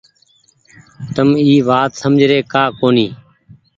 تم اي وآت سمجه ري ڪآ ڪونيٚ ڇو۔